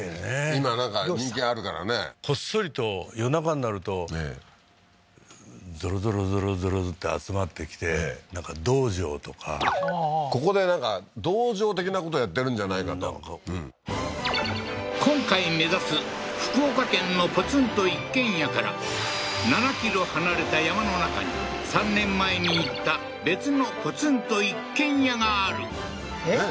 今なんか人気あるからねこっそりと夜中になるとぞろぞろぞろぞろって集まってきて道場とかここでなんか道場的なことやってるんじゃないかと今回目指す福岡県のポツンと一軒家から７ｋｍ離れた山の中に３年前に行った別のポツンと一軒家があるえっ？